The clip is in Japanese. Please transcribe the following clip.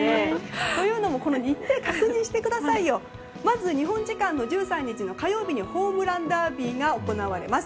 というのも、日程を確認すると日本時間の１３日の火曜日にホームランダービーが行われます。